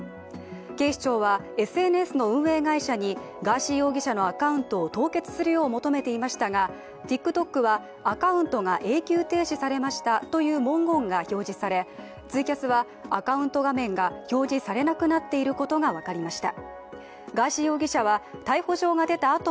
警視庁はＳＮＳの運営会社にガーシー容疑者のアカウントを凍結するよう求めていましたが、ＴｉｋＴｏｋはアカウントが永久停止されましたという文言が表示されツイキャスはアカウント画面が表示されなくなっていることが分かりました。